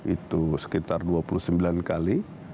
itu sekitar dua puluh sembilan kali